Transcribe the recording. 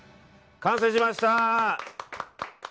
完成しました！